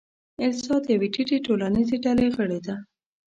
الیزا د یوې ټیټې ټولنیزې ډلې غړې ده.